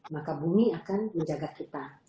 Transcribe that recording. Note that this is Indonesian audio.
maka bumi akan menjaga kita